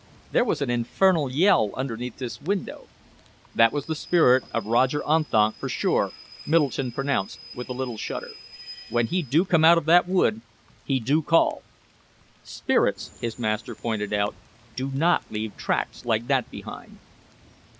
"There was an infernal yell underneath this window." "That was the spirit of Roger Unthank, for sure," Middleton pronounced, with a little shudder. "When he do come out of that wood, he do call." "Spirits," his master pointed out, "do not leave tracks like that behind."